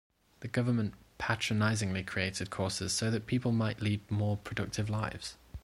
The government patronizingly created courses so that people might lead more productive lives.